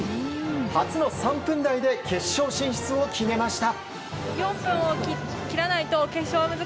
初の３分台で決勝進出を決めました。